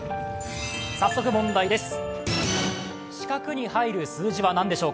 早速問題です。